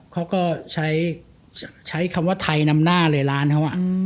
เขาก็ใช้คำว่าไทยนำหน้าเลยร้านเขา